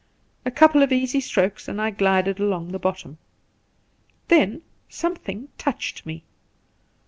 A couple of easy strokes and I glided along the bottom. Then something touched me.